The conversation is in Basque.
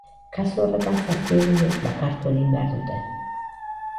Kasu horretan, zazpi egunez bakartu egin behar dute.